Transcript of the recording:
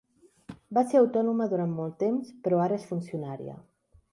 Va ser autònoma durant molts temps, però ara és funcionària.